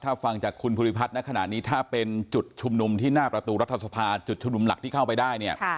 ถ้าฟังจากคุณภูริพัฒน์ในขณะนี้ถ้าเป็นจุดชุมนุมที่หน้าประตูรัฐสภาจุดชุมนุมหลักที่เข้าไปได้เนี่ย